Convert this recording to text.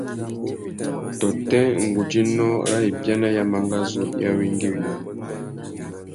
Tôtê ngudzénô râ ibiana ya mangazú i awéngüéwinamú?